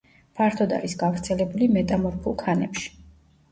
ფართოდ არის გავრცელებული მეტამორფულ ქანებში.